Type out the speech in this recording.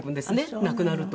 亡くなると。